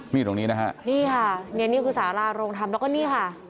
นี่ตรงนี้นะฮะนี่ค่ะเนี่ยนี่คือสาราโรงธรรมแล้วก็นี่ค่ะ